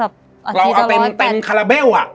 เราเอาเต็มคาราเบล